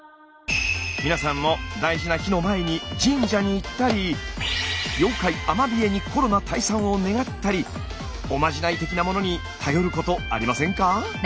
皆さんも大事な日の前に神社に行ったり妖怪アマビエにコロナ退散を願ったりおまじない的なものに頼ることありませんか？